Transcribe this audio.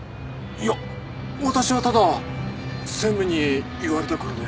いや私はただ専務に言われたからで。